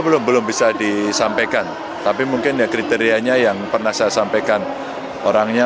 belum belum bisa disampaikan tapi mungkin ya kriterianya yang pernah saya sampaikan orangnya